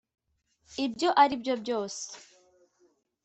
ibyo ari byo byose,